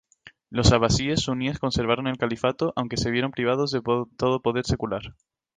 Los abasíes suníes conservaron el califato, aunque se vieron privados de todo poder secular.